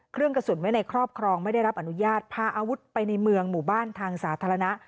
เครื่องกระสุนไว้ในครอบครองไม่ได้รับอนุญาตพาอาวุธไปในเมืองหมู่บ้านทางสาธารณะ